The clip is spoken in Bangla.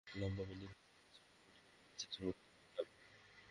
লম্বা বেণির ভাঁজে ভাঁজে ছোট ছোট ফুল গেঁথে নিলে চমত্কার দেখাবে।